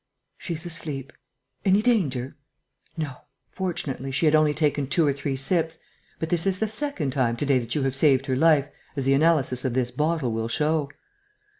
"She's asleep." "Any danger?" "No. Fortunately, she had only taken two or three sips. But this is the second time to day that you have saved her life, as the analysis of this bottle will show."